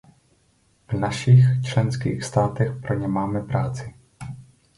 V našich členských státech pro ně máme práci.